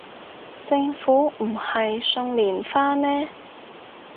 政府唔係送連花咩